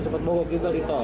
sempat mogok juga di tol